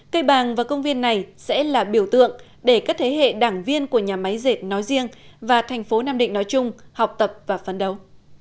cây bàng và công viên này sẽ là biểu tượng để các thế hệ đảng viên của nhà máy dệt nói riêng và thành phố nam định nói chung học tập và phấn đấu